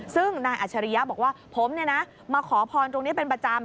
ซึ่งนายอัชริยะบอกว่าผมมาขอพรตรงนี้เป็นประจำ